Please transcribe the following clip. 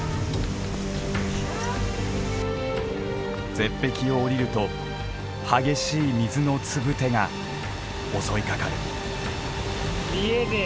絶壁をおりると激しい水のつぶてが襲いかかる。